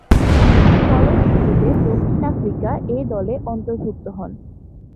ফলশ্রুতিতে দক্ষিণ Africa A দলে অন্তর্ভুক্ত হন।